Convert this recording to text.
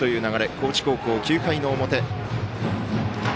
高知高校、９回の表。